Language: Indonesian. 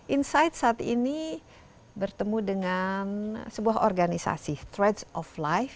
insight saat ini bertemu dengan sebuah organisasi trade of life